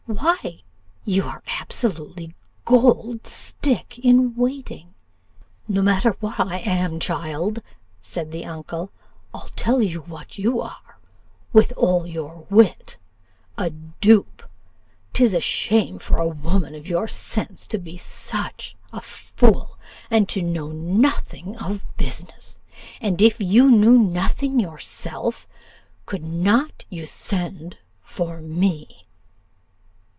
Why, you are absolutely gold stick in waiting.' "'No matter what I am, child,' said the uncle; 'I'll tell you what you are, with all your wit a dupe: 'tis a shame for a woman of your sense to be such a fool, and to know nothing of business; and if you knew nothing yourself, could not you send for me?